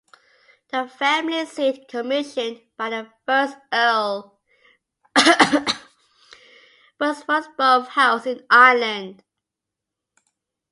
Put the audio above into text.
The family seat, commissioned by the first Earl, was Russborough House in Ireland.